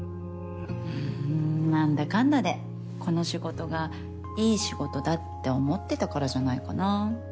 うん何だかんだでこの仕事がいい仕事だって思ってたからじゃないかな？